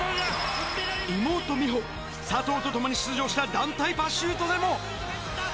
妹、美帆、佐藤と共に出場した団体パシュートでも。